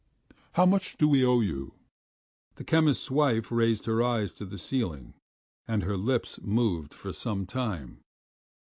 How much do we owe you?" The chemist's wife raised her eyes to the ceiling and her lips moved for some time.